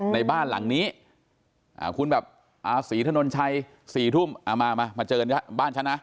ในบ้านหลังนี้อ่าสีทะนทรัย๔ทุ่มเอ้ามามาเจอบ้านฉันน่ะ